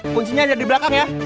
kuncinya ada di belakang ya